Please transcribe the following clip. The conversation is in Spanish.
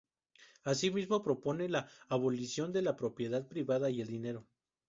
Así mismo propone la abolición de la propiedad privada y el dinero.